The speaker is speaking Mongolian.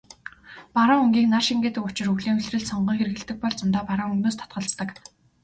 Бараан өнгийг нар шингээдэг учир өвлийн улиралд сонгон хэрэглэдэг бол зундаа бараан өнгөнөөс татгалздаг.